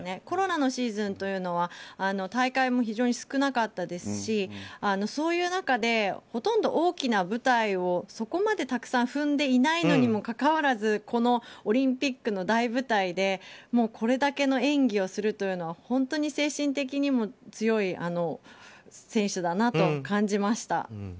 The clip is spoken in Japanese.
コロナのシーズンというのは大会も非常に少なかったですしそういう中でほとんど大きな舞台をそこまでたくさん踏んでいないにもかかわらずこのオリンピックの大舞台でこれだけの演技をするというのは本当に精神的にも強い選手だなと感じました。